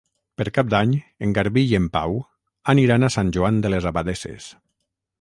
Per Cap d'Any en Garbí i en Pau aniran a Sant Joan de les Abadesses.